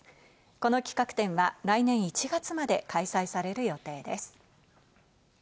この企画展は来年１月まで開催される予定です。